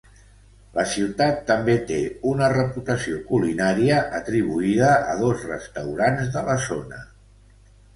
La ciutat també té una reputació culinària atribuïda a dos restaurants de la zona.